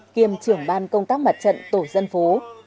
kiêm trưởng ban công tác mặt trận tổ dân phố